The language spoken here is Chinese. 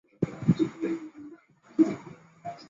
俄亥俄州仅有这一个温彻斯特镇区。